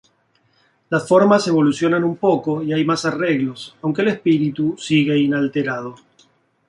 Las formas evolucionan un poco y hay más arreglos, aunque el espíritu sigue inalterado.